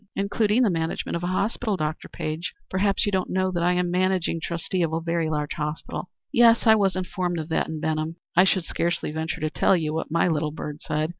"Including the management of a hospital, Dr. Page. Perhaps you don't know that I am the managing trustee of a large hospital?" "Yes, I was informed of that in Benham. I should scarcely venture to tell you what my little bird said.